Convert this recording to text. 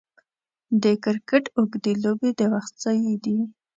د کرکټ اوږدې لوبې د وخت ضايع دي.